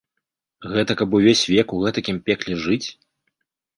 Гэта каб увесь век у гэтакім пекле жыць?